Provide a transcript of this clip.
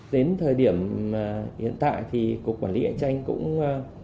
đến thời điểm hiện tại thì cục quản lý cạnh tranh cũng